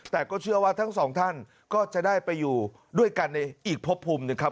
แต่ก็เชื่อว่าทั้งสองท่านก็จะได้ไปอยู่ด้วยกันในอีกพบภูมิหนึ่งครับ